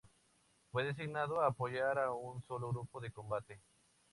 Fue designado a apoyar a un solo grupo de combate.